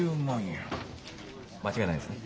間違いないですね？